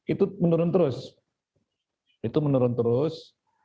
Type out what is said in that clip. itu menurun terus